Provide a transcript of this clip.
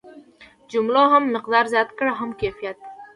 جملو هم مقدار زیات کړ هم کیفیت.